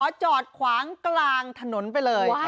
จอดขวางกลางถนนไปเลย